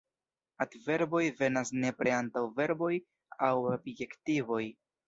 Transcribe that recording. Adverboj venas nepre antaŭ verboj aŭ adjektivoj.